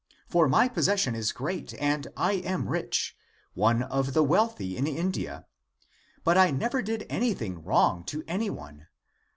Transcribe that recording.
For my possession is great and I am rich, one of the wealthy in India. But I never did anything wrong to anyone.